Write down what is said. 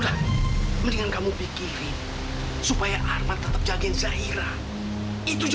hmm gak sudi aku